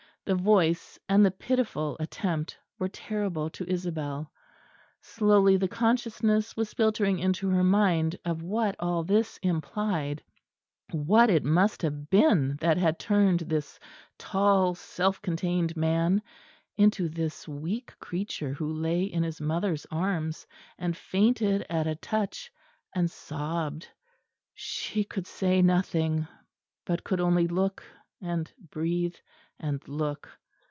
The voice and the pitiful attempt were terrible to Isabel. Slowly the consciousness was filtering into her mind of what all this implied; what it must have been that had turned this tall self contained man into this weak creature who lay in his mother's arms, and fainted at a touch and sobbed. She could say nothing; but could only look, and breathe, and look.